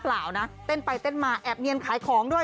เพราะเล่นไปเต้นมาแอบเงินขายของด้วย